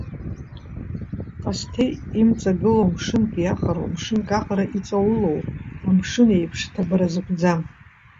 Ҟасҭеи имҵагылоу мшынк иаҟароу, мшынк аҟара иҵаулоу, амшын еиԥш ҭабара зықәӡам.